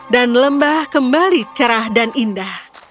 dan lembah kembali cerah dan indah